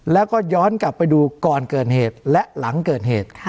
แล้วก็ย้อนกลับไปดูก่อนเกิดเหตุและหลังเกิดเหตุ